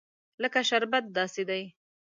لکه شربت داسې دي.